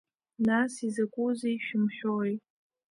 Нас изакәызеи шәымҳәои?